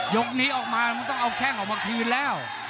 นี้ออกมามันต้องเอาแข้งออกมาคืนแล้ว